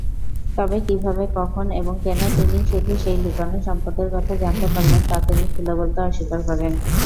তবে কীভাবে, কখন এবং কেন তিনিই শুধু সেই লুকানো সম্পদের কথা জানতে পারলেন, তা তিনি খুলে বলতে অস্বীকার করেন।